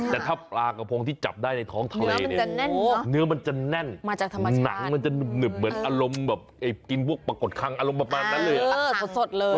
แต่ถ้าปลากระพงที่จับได้ในท้องทะเลเนี่ยเนื้อมันจะแน่นหนังมันจะหนึบเหมือนอารมณ์แบบกินพวกปรากฏคังอารมณ์ประมาณนั้นเลยเหรอสดเลย